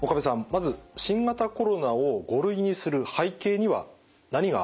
まず新型コロナを５類にする背景には何があるのでしょうか？